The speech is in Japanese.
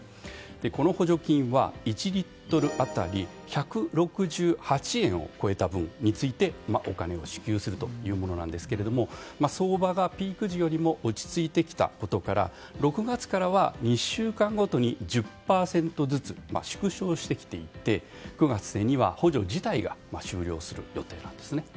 この補助金は、１リットル当たり１６８円を超えた分についてお金を支給するというものなんですけども相場がピーク時よりも落ち着いてきたことから６月からは２週間ごとに１０％ずつ縮小してきていて９月末には補助自体が終了する予定なんですね。